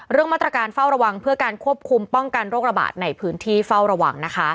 เรื่องมาตรการเฝ้าระวังเพื่อการควบคุมป้องกันโรคระบาดในพื้นที่เฝ้าระวังนะคะ